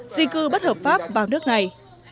di cư bất hợp pháp vào nước này